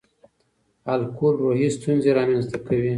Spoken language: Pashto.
الکول روحي ستونزې رامنځ ته کوي.